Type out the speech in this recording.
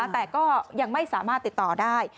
แต่ก็ยังไม่สามารถติดต่อได้